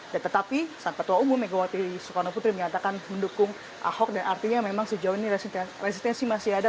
dan tetapi saat petua umum megawati soekarno putri menyatakan mendukung ahok dan artinya memang sejauh ini resistensi masih ada